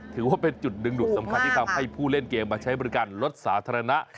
ถือว่าเป็นจุดดึงดูดสำคัญที่ทำให้ผู้เล่นเกมมาใช้บริการรถสาธารณะ